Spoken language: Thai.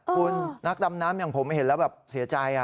คุณนักดำน้ำอย่างผมเห็นแล้วแบบเสียใจ